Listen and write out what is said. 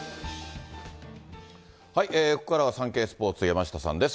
ここからはサンケイスポーツ、山下さんです。